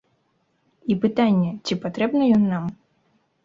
І пытанне, ці патрэбны ён нам?